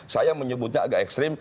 saya menyebutnya agak ekstrim